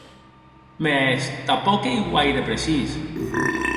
Mès tanpòc ei guaire precís.